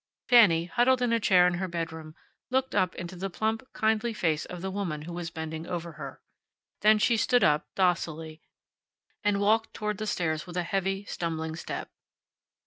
Fanny, huddled in a chair in her bedroom, looked up into the plump, kindly face of the woman who was bending over her. Then she stood up, docilely, and walked toward the stairs with a heavy, stumbling step.